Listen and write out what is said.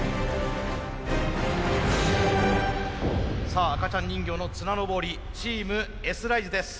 さあ赤ちゃん人形の綱登りチームＳライズです。